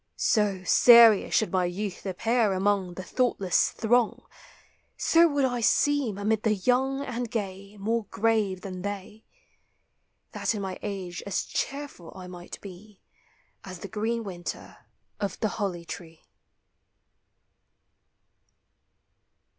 So, serious should my youth appear among The thoughtless throng; So would 1 seem, amid the young and gay, More grave than they; That in my age as cheerful I might be As the green winter of the holly tree.